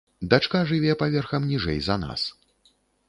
Дачка жыве паверхам ніжэй за нас.